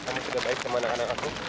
kami sudah baik sama anak anak aku